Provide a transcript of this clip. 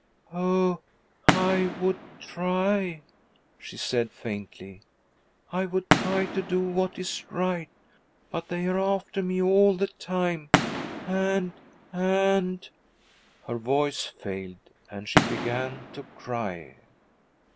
'Oh, I would try,' she said faintly; 'I would try to do what is right. But they are after me all the time and and ' Her voice failed, and she began to cry.